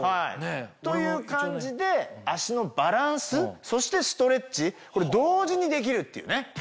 という感じで足のバランスそしてストレッチこれ同時にできるっていうね。